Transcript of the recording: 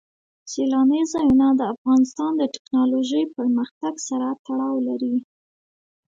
سیلانی ځایونه د افغانستان د تکنالوژۍ پرمختګ سره تړاو لري.